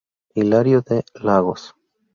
Hilario D. Lagos".